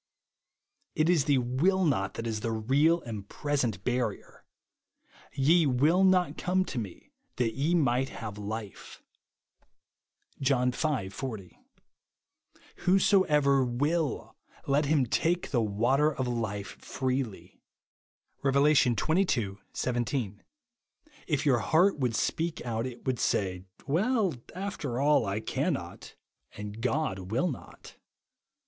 It is the will not that is the real and present barrier. "Ye ivill not come to me that ye might have life," (John v. 40\ "Whosoever ^uill, let him take the water of life freely," (Rev. xxii. 17). If your heart would speak out it would say; " Well, after all, I cannot, and God ^vill not."